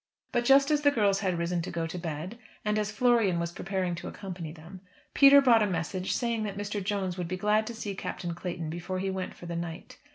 But just as the girls had risen to go to bed, and as Florian was preparing to accompany them, Peter brought a message saying that Mr. Jones would be glad to see Captain Clayton before he went for the night.